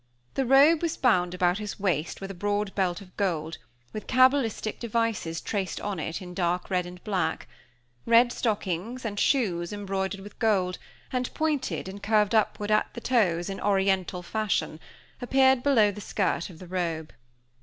The robe was bound about his waist with a broad belt of gold, with cabalistic devices traced on it in dark red and black; red stockings, and shoes embroidered with gold, and pointed and curved upward at the toes, in Oriental fashion, appeared below the skirt of the robe.